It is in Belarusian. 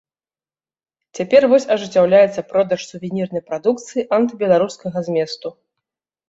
Цяпер вось ажыццяўляецца продаж сувенірнай прадукцыі антыбеларускага зместу.